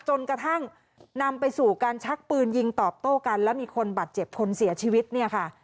จนกระทั่งนำไปสู่การชักปืนยิงตอบโต้กันแล้วมีคนบาดเจ็บคนเสียชีวิตเนี่ยค่ะ